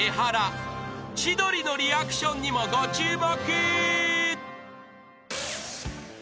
［千鳥のリアクションにもご注目］